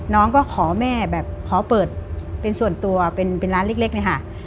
น้องก็ขอแม่แบบขอเปิดเป็นส่วนตัวเป็นร้านเล็กเนี่ยค่ะ